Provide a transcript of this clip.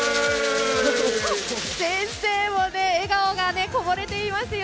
先生も笑顔がこぼれていますよ。